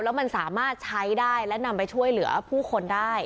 แล้วมันสามารถใช้ได้และนำไปช่วยเหลือผู้คนได้